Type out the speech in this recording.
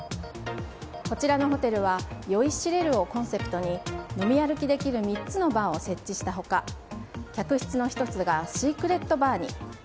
こちらのホテルは酔いしれるをコンセプトに飲み歩きできる３つのバーを設置した他客室の１つがシークレットバーに。